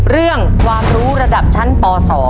เรื่องความรู้ระดับชั้นป๒